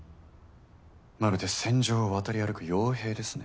まるで戦場を渡り歩くよう兵ですね。